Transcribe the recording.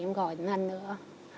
em gọi lần nữa